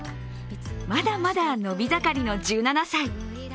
まだまだ伸び盛りの１７歳。